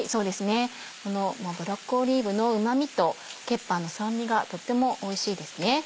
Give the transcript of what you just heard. このブラックオリーブのうま味とケッパーの酸味がとってもおいしいですね。